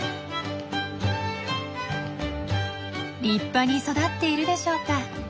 立派に育っているでしょうか。